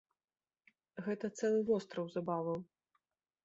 Гэта цэлы востраў забаваў!